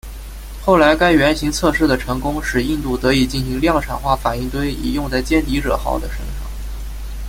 后来该原型测试的成功使印度得以进行量产化反应堆以用在歼敌者号的身上。